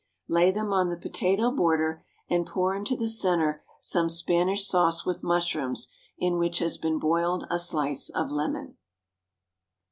Lay them on the potato border, and pour into the centre some Spanish sauce with mushrooms in which has been boiled a slice of lemon.